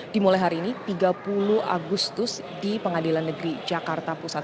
dimulai hari ini tiga puluh agustus di pengadilan negeri jakarta pusat